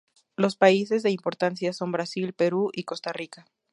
Los países de importación son Brasil, Perú y Costa Rica.